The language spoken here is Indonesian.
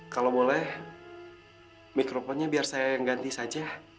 kalau boleh mikrofonnya biar saya yang ganti saja